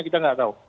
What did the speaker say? kita nggak tahu